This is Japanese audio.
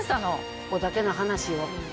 ここだけの話よ